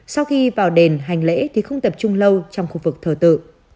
sau khi vào đền hành lễ thì không tập trung lâu trong khu vực thờ tự